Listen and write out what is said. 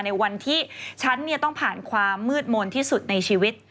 ในวันที่ฉันต้องผ่านความมืดมนต์ที่สุดในชีวิต